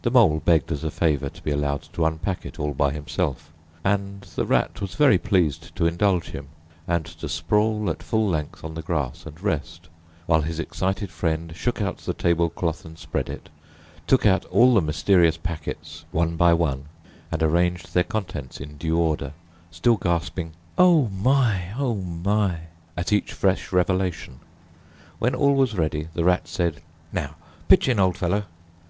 The Mole begged as a favour to be allowed to unpack it all by himself; and the Rat was very pleased to indulge him, and to sprawl at full length on the grass and rest, while his excited friend shook out the table cloth and spread it, took out all the mysterious packets one by one and arranged their contents in due order, still gasping, "O my! O my!" at each fresh revelation. When all was ready, the Rat said, "Now, pitch in, old fellow!"